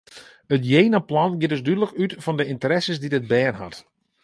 It jenaplan giet dus dúdlik út fan de ynteresses dy't it bern hat.